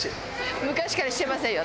昔からしてませんよ